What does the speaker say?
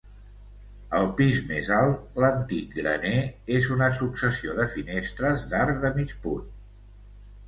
El pis més alt, l'antic graner, és una successió de finestres d'arc de mig punt.